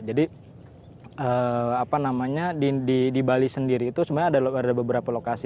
jadi di bali sendiri itu sebenarnya ada beberapa lokasi